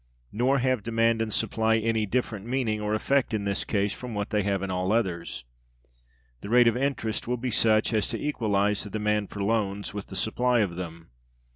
Nor have demand and supply any different meaning or effect in this case from what they have in all others. The rate of interest will be such as to equalize the demand for loans with the supply of them.